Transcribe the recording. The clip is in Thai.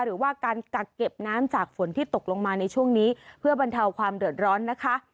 หรือว่าการกักเก็บน้ำจากฝนที่ตกลงมาในช่วงนี้เพื่อบรรเทาความเดือดร้อนนะคะ